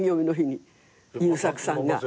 優作さんが。